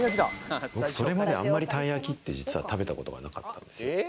それまで、あんまり、たい焼きって食べたことがなかったんですよ。